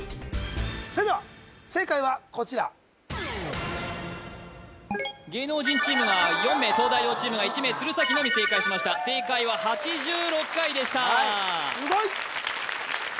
それでは正解はこちら芸能人チームが４名東大王チームが１名鶴崎のみ正解しました正解は８６回でしたすごいっ！